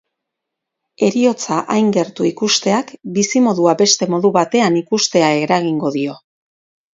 Heriotza hain gertu ikusteak bizimodua beste modu batean ikustea eragingo dio.